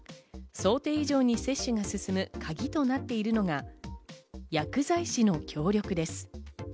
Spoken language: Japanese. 想定以上に接種が進むカギとなっているのが薬剤師の協力です。